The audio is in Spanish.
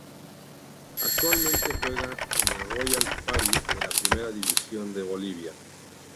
Actualmente juega en el Royal Pari de la Primera División de Bolivia.